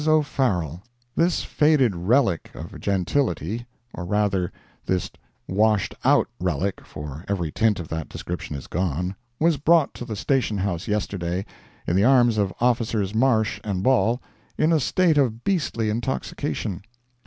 O'FARRELL This faded relic of gentility—or, rather, this washed out relic, for every tint of that description is gone—was brought to the station house yesterday, in the arms of Officers Marsh and Ball, in a state of beastly intoxication.